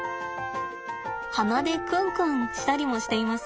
鼻でくんくんしたりもしています。